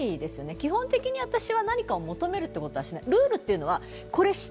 基本的に私は何かを求めるってことはしない。